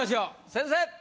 先生！